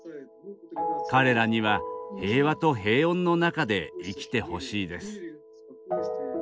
彼らには平和と平穏の中で生きてほしいです。